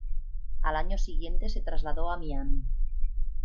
Al año siguiente se trasladó a Miami.